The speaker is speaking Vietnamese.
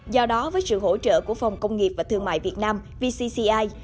do đó với sự hỗ trợ của phòng công nghiệp và thương mại việt nam vcci